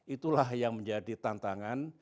itulah yang menjadi tantangan